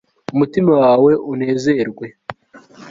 umutima wawe unezerwe